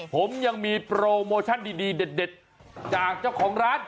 ผมยังมีโปรโมชั่นดีเด็ดจากเจ้าของร้าน